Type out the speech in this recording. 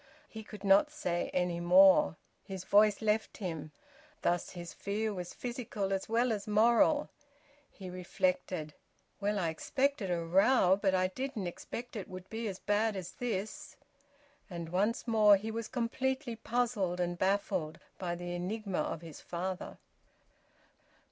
He could not say any more. His voice left him. Thus his fear was physical as well as moral. He reflected: "Well, I expected a row, but I didn't expect it would be as bad as this!" And once more he was completely puzzled and baffled by the enigma of his father.